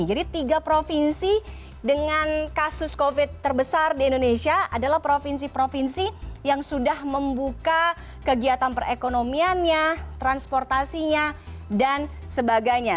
jadi tiga provinsi dengan kasus covid sembilan belas terbesar di indonesia adalah provinsi provinsi yang sudah membuka kegiatan perekonomiannya transportasinya dan sebagainya